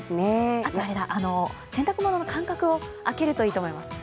あと、洗濯物の間隔を空けるといいと思います。